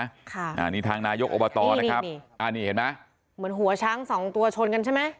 อันนี้ทางนายกอบตนะครับอันนี้เห็นมั้ยเหมือนหัวช้าง๒ตัวชนกันใช่มั้ย